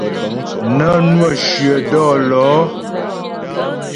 Nə́ nwə́ shyə dɔ́lɔ̌.